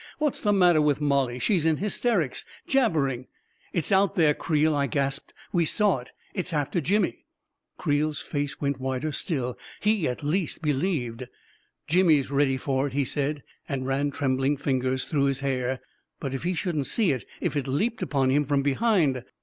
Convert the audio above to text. " What's the matter with Mollie — she's in hysterics — jabber ing ..."" It's out there, Creel !" I gasped. " We saw it ! It's after Jimmy I " Creel's face went whiter still. He, at least, be lieved 1 "Jimmy's ready for it! " he said, and ran trem bling fingers through his hair. " But if he shouldn't see it ! If it leaped upon him from behind